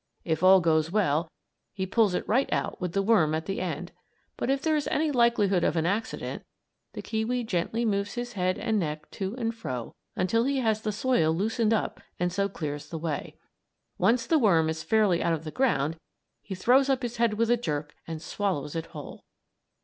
If all goes well he pulls it right out with the worm at the end; but if there is any likelihood of an accident, the kiwi gently moves his head and neck to and fro until he has the soil loosened up and so clears the way. Once the worm is fairly out of the ground, he throws up his head with a jerk and swallows it whole.